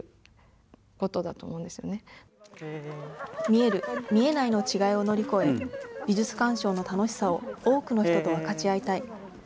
見える、見えないの違いを乗り越え、美術鑑賞の楽しさを多くの人と分かち合いたい。